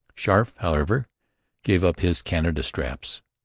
Scarfe, however, gave up his "Canada" straps.